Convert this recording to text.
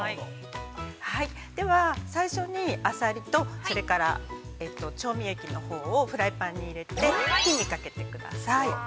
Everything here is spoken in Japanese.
では最初に、あさりとそれから調味液のほうをフライパンに入れて火にかけてください。